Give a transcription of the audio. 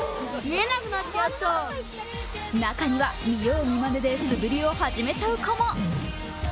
中には見よう見まねで素振りを始めちゃう子も。